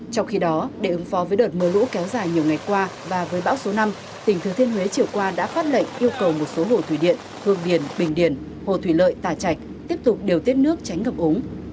trong khi đó để ứng phó với đợt mưa lũ kéo dài nhiều ngày qua và với bão số năm tỉnh thừa thiên huế chiều qua đã phát lệnh yêu cầu một số hồ thủy điện hương điền bình điền hồ thủy lợi tà chạch tiếp tục điều tiết nước tránh ngập ống